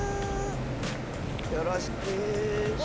よろしく。